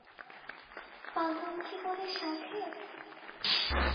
পাগল কী বলে সাধে।